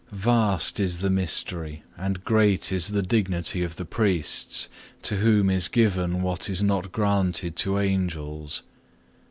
Vast is the mystery, and great is the dignity of the priests, to whom is given what is not granted to Angels.